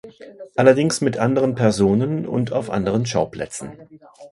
Allerdings mit anderen Personen und auf anderen Schauplätzen.